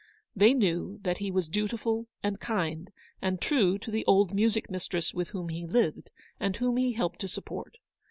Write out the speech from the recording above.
They knew that he was dutiful, and kind, and true to the old music mistress with whom he lived, and whom he helped to support.